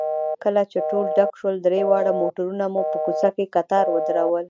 کله چې ټول ډک شول، درې واړه موټرونه مو په کوڅه کې کتار ودرول.